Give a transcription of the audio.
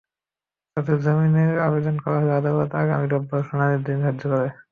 তাদের জামিনের আবেদন করা হলে আদালত আগামী রোববার শুনানির দিন ধার্য করেন।